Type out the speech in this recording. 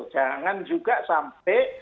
jangan juga sampai